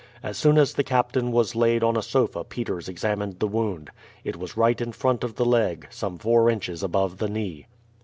As soon as the captain was laid on a sofa Peters examined the wound. It was right in front of the leg, some four inches above the knee.